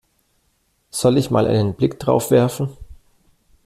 Soll ich mal einen Blick drauf werfen?